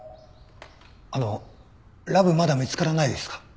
あのラブまだ見つからないですか？